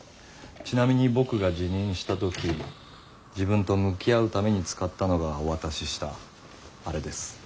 ちなみに僕が自認した時自分と向き合うために使ったのがお渡ししたあれです。